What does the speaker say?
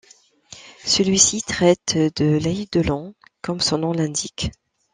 Celui-ci traite de l'Eidolon, comme son nom l'indique.